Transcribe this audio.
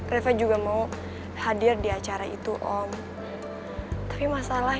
reva juga mau hadir di acara itu om